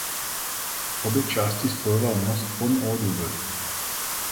Obě části spojoval most Pont au Double.